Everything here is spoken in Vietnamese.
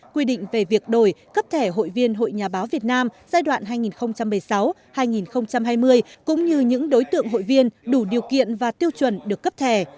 quy định về việc đổi cấp thẻ hội viên hội nhà báo việt nam giai đoạn hai nghìn một mươi sáu hai nghìn hai mươi cũng như những đối tượng hội viên đủ điều kiện và tiêu chuẩn được cấp thẻ